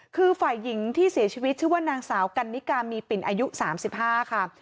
คือฝ่ายหญิงที่เสียชีวิตชื่อว่านางสาวกันนิกามีปิ่นอายุ๓๕ค่ะ